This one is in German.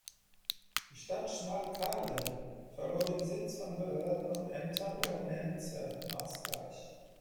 Die Stadt Schmalkalden verlor den Sitz von Behörden und Ämtern ohne nennenswerten Ausgleich.